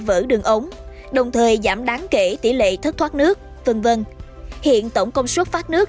vỡ đường ống đồng thời giảm đáng kể tỷ lệ thất thoát nước v v hiện tổng công suất phát nước